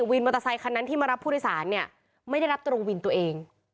มอเตอร์ไซคันนั้นที่มารับผู้โดยสารเนี่ยไม่ได้รับตรงวินตัวเอง